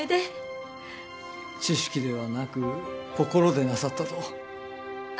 知識ではなく心でなさったと。